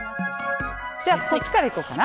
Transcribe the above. じゃあこっちから行こうかな。